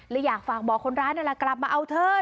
แล้วอยากฝากบอกคนร้านกลับมาเอาเถอะ